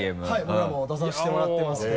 僕らも出させてもらってまして。